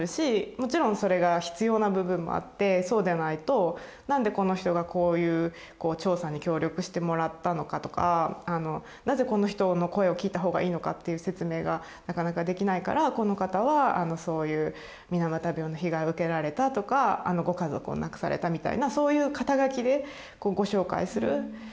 もちろんそれが必要な部分もあってそうじゃないとなんでこの人がこういう調査に協力してもらったのかとかなぜこの人の声を聞いたほうがいいのかっていう説明がなかなかできないからこの方はそういう水俣病の被害を受けられたとかご家族を亡くされたみたいなそういう肩書でご紹介する。